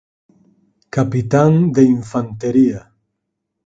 Capitán de infantería.